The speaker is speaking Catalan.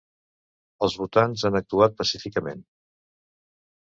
Els votants han actuat pacíficament